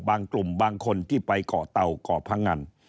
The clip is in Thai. กลุ่มบางคนที่ไปก่อเตาก่อพงัน